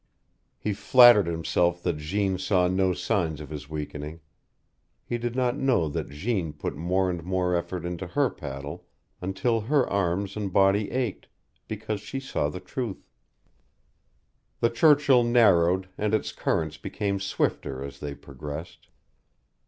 He flattered himself that Jeanne saw no signs of his weakening. He did not know that Jeanne put more and more effort into her paddle, until her arms and body ached, because she saw the truth. The Churchill narrowed and its current became swifter as they progressed.